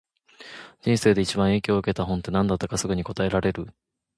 人生で一番影響を受けた本って、何だったかすぐに答えられる？